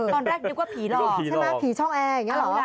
ตอนแรกนึกว่าผีหลอก